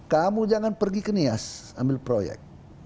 kamu jangan pergi ke nias ambil proyek